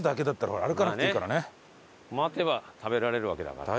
待てば食べられるわけだから。